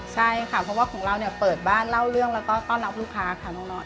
ใช่ค่ะเพราะว่าของเราเนี่ยเปิดบ้านเล่าเรื่องแล้วก็ต้อนรับลูกค้าค่ะน้องน้อย